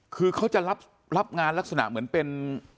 คือเขาจะรับงานลักษณะเหมือนเป็น